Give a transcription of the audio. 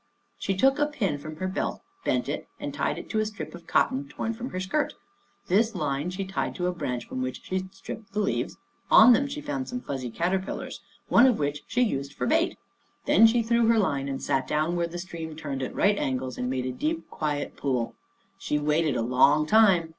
She took a pin from her belt, bent it and tied to it a strip of cotton torn from her skirt. This line she tied to a branch from which she stripped the leaves ; on them she found some fuzzy cater pillars, one of which she used for bait. Then she threw her line and sat down where the stream turned at right angles and made a deep, quiet pool. She waited a long time.